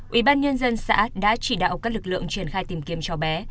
ủy ban nhân dân xã đã chỉ đạo các lực lượng triển khai tìm kiếm cho bé